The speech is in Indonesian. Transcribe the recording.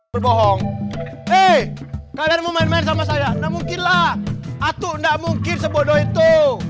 berbohong eh kalian mau main main sama saya namun kilang atau enggak mungkin sebodoh itu